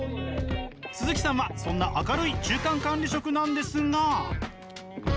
鈴木さんはそんな明るい中間管理職なんですが。